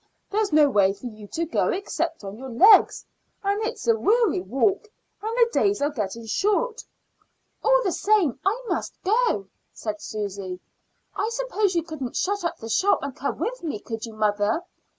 There's no way for you to go except on your legs, and it's a weary walk, and the days are getting short." "All the same, I must go," said Susy. "I suppose you couldn't shut up the shop and come with me, could you, mother?"